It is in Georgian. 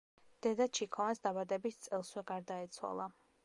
დედა ჩიქოვანს დაბადების წელსვე გარდაეცვალა.